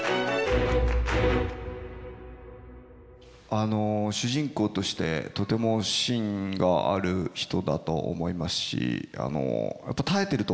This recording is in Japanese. あの主人公としてとても芯がある人だと思いますし耐えてると思います。